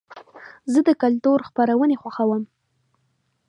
زه د کلتور خپرونې خوښوم.